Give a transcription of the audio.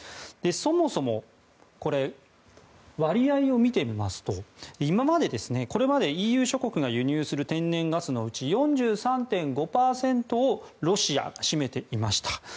そもそも、割合を見てみますと今まで、これまでＥＵ諸国が輸入する天然ガスのうち４３．５％をロシアが占めていました。